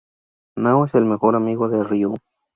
Nao es el mejor amigo de Ryū.